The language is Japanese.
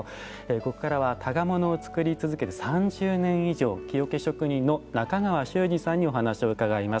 ここからは箍物を作り続けて３０年以上木桶職人の中川周士さんにお話を伺います。